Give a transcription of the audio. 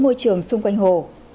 môi trường xung quanh hồ